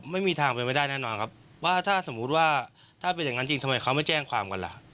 ไม่มีทางเป็นไปได้แน่นอนครับว่าถ้าสมมุติว่าถ้าเป็นอย่างนั้นจริงทำไมเขาไม่แจ้งความกันล่ะ